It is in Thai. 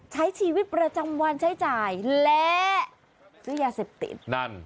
ใช้ชีวิตประจำวันใช้จ่ายและด้วยยาเสบติด